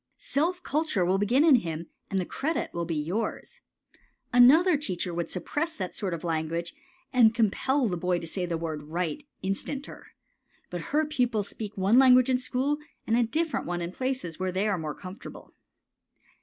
Self culture will begin in him and the credit will be yours. Another teacher would suppress that sort of language and compel the boy to say the word right instanter. But her pupils speak one language in school and a different one in places where they are more comfortable.